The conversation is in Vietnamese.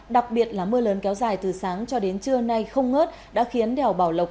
đặc biệt là mưa lớn kéo dài từ sáng cho đến trưa nay không ngớt đã khiến đèo bảo lộc